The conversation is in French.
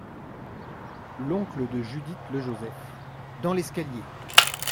L’oncle de Judith LE JOSEPH : Dans l’escalier !